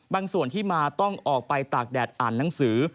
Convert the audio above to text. ส่วนที่มาต้องออกไปตากแดดอ่านหนังสือ